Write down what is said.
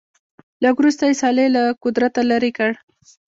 لږ وروسته یې صالح له قدرته لیرې کړ.